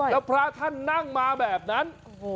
แล้วพระท่านนั่งมาแบบนั้น